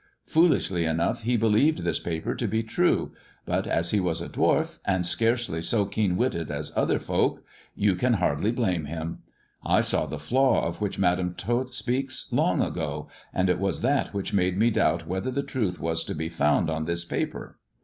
Foolishly enough he believed this paper to be true, but as he was a dwarf, and scarcely so keen witted as other folk, you can hardly blame him. I saw the flaw of which Mfu^« Tn Tot speaks long ago, and it was that which made 156 THE dwarf's chamber me doubt whether the truth was to be found on this paper.